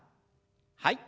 はい。